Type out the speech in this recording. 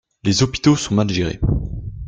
Les hopitaux sont mal gérés.